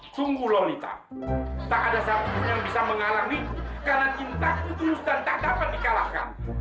sungguh lolita tak ada satupun yang bisa mengalami karena cintaku tulus dan tak dapat dikalahkan